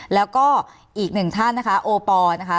แล้วก็อีกหนึ่งท่านนะคะโอปอลนะคะ